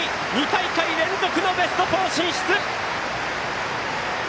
２大会連続のベスト４進出！